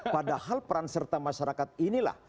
padahal peran serta masyarakat inilah